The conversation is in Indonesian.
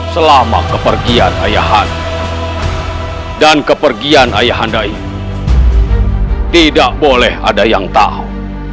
selama kepergian ayah anda dan kepergian ayah anda ini tidak boleh ada yang tahu